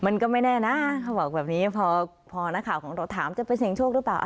มันก็ไม่แน่นะเขาบอกแบบนี้พอนักข่าวของเราถามจะไปเสียงโชคหรือเปล่า